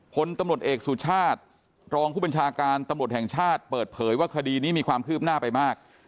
ผลตำรวจเอกสุชาติรองผู้บัญชาการตำรวจแห่งชาติเปิดเผยว่าคดีนี้มีความคืบหน้าไปมาก